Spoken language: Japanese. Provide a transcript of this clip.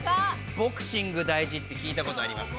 ボクシング大事って聞いたことあります。